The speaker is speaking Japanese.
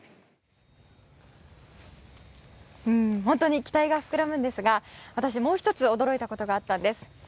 本当に期待が膨らむんですが私、もう１つ驚いたことがあったんです。